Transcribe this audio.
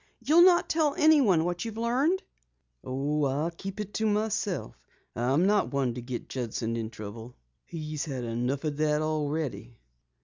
You'll not tell anyone what you've learned?" "Oh, I'll keep it to myself. I'm not one to get Judson into trouble. He's had enough of it already."